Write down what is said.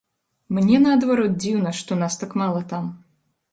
Мне, наадварот, дзіўна, што нас так мала там.